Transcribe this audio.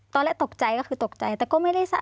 ตอนแรกตกใจก็คือตกใจแต่ก็ไม่ได้สะ